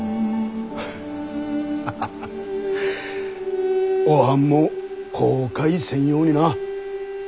ハハハおはんも後悔せんようにな。